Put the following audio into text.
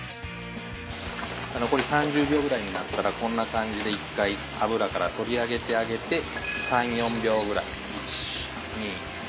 残り３０秒ぐらいになったらこんな感じで１回油から取り上げてあげて３４秒ぐらい。